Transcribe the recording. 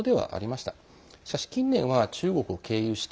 しかし、近年は中国を経由して